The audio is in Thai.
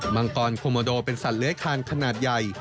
มังกรโคโมโดเป็นสัตว์เลื้อยคานขนาดใหญ่